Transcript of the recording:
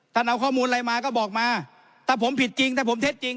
เอาข้อมูลอะไรมาก็บอกมาถ้าผมผิดจริงถ้าผมเท็จจริง